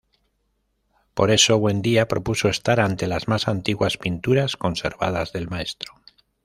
Por eso, Buendía propuso estar ante las más antiguas pinturas conservadas del maestro.